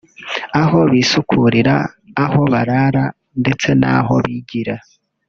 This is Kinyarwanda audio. aho bisukurir aho barara ndetse n’aho bigira